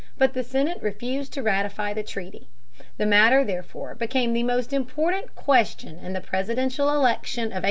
But the Senate refused to ratify the treaty. The matter, therefore, became the most important question in the presidential election of 1844.